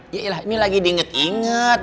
ya ini lagi diinget inget